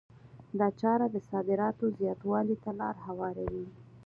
دا چاره د صادراتو زیاتوالي ته لار هواروي.